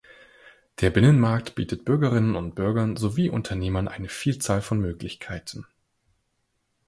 Der Binnenmarkt bietet Bürgerinnen und Bürgern sowie Unternehmen eine Vielzahl von Möglichkeiten.